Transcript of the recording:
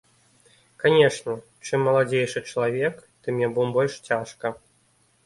Канешне, чым маладзейшы чалавек, тым яму больш цяжка.